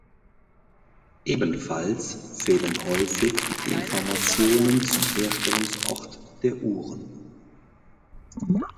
Ebenfalls fehlen häufig die Informationen zum Herstellungsort der Uhren.